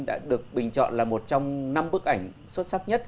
đã được bình chọn là một trong năm bức ảnh xuất sắc nhất